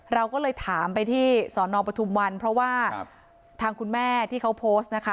เราก็เลยถามไปที่สอนอปทุมวันเพราะว่าทางคุณแม่ที่เขาโพสต์นะคะ